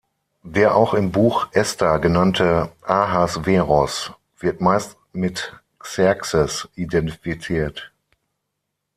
Der auch im Buch Ester genannte Ahasveros wird meist mit Xerxes identifiziert.